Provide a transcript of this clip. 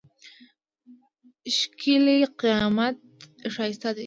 ښکېلی قامت ښایسته دی.